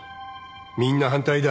みんな反対だ。